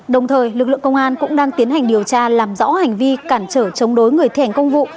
đồng thời lực lượng công an cũng đang tiến hành điều tra làm rõ hành vi cản trở chống đối người thi hành công vụ